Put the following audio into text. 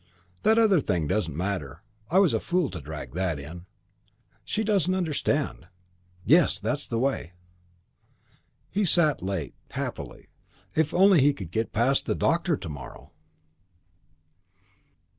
That other thing doesn't matter. I was a fool to drag that in. She doesn't understand. Yes, that's the way!" He sat late, happily. If only he could get past the doctor to morrow!